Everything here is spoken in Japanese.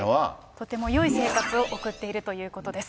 とてもよい生活を送っているということです。